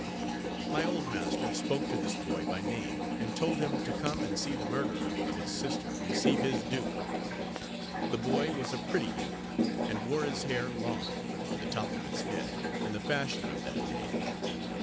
My old master spoke to this boy by name, and told him to come and see the murderer of his sister receive his due. The boy was a pretty youth, and wore his hair long, on the top of his head, in the fashion of that day.